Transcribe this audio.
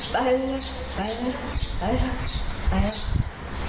ไปเลย